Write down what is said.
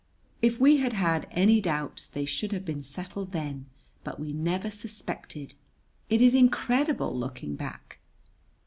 If we had had any doubts they should have been settled then; but we never suspected. It is incredible, looking back.